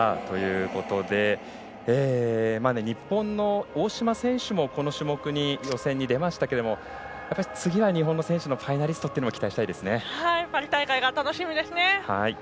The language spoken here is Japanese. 日本の大島選手もこの種目、予選に出ましたが次は日本の選手のファイナリストというのもパリ大会が楽しみですね。